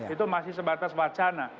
itu masih sebatas wacana